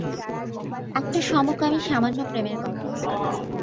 একটা সমকামী সামান্য প্রেমের গল্প।